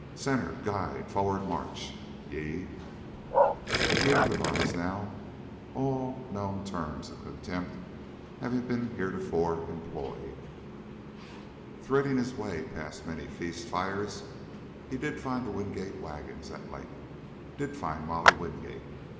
"Center, guide! Forrerd, march! Ye " He improvised now, all known terms of contempt having been heretofore employed. Threading the way past many feast fires, he did find the Wingate wagons at length, did find Molly Wingate.